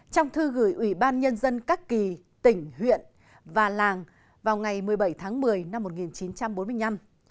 trong thư gửi ủy ban nhân dân các kỳ tỉnh huyện và làng vào ngày một mươi bảy tháng một mươi năm một nghìn chín trăm bốn mươi năm